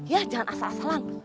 ya jangan asal asalan